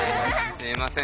すいません